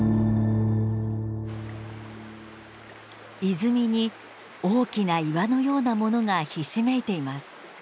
泉に大きな岩のようなものがひしめいています。